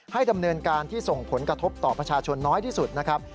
ดำเนินการที่ส่งผลกระทบต่อประชาชนน้อยที่สุดนะครับ